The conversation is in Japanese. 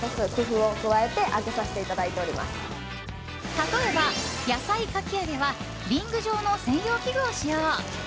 例えば、野菜かき揚げはリング状の専用器具を使用。